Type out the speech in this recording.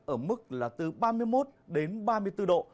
ở mức là từ ba mươi một đến ba mươi bốn độ